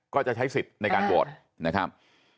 ก็จะใช้สิทธิ์ในการโหวตนะครับ